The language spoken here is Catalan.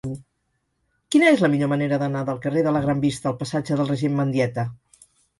Quina és la millor manera d'anar del carrer de la Gran Vista al passatge del Regent Mendieta?